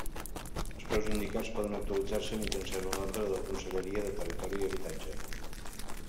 Els preus indicats poden actualitzar-se mitjançant una ordre de la Conselleria de Territori i Habitatge.